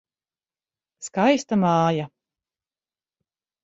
Skaista māja.